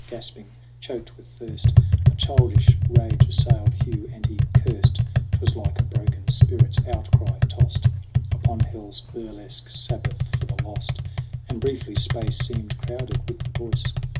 Gasping, choked with thirst, A childish rage assailed Hugh, and he cursed : 'Twas like a broken spirit's outcry, tossed Upon hell's burlesque sabbath for the lost, And briefly space seemed crowded with the voice.